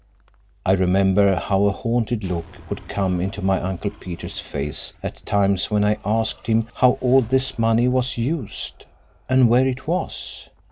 I remember how a hunted look would come into my Uncle Peter's face at times when I asked him how all this money was used, and where it was.